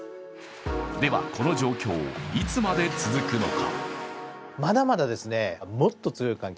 では、この状況いつまで続くのか。